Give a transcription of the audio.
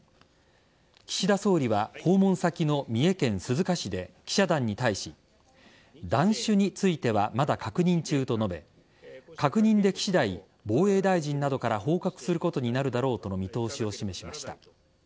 岸田総理は訪問先の三重県鈴鹿市で記者団に対し弾種についてはまだ確認中と述べ確認でき次第防衛大臣などから報告することになるだろうとの見通しを示しました。